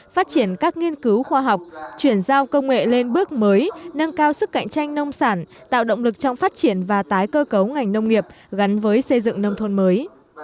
phát triển các nghiên cứu khoa học chuyển giao công nghệ lên bước mới nâng cao sức cạnh tranh nông sản tạo động lực trong phát triển và tái cơ cấu ngành nông nghiệp gắn với xây dựng nông thôn mới